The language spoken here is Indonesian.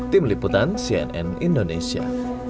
tim liputan cnn indonesia